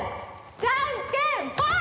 じゃんけんぽい！